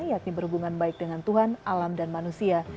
yakni berhubungan baik dengan tuhan alam dan manusia